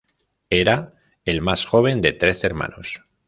Era el más joven de trece hermanos.